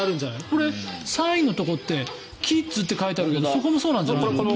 これ、３位のところってキッズって書いてあるけどそこもそうなんじゃないの？